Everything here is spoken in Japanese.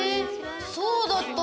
そうだったんだ。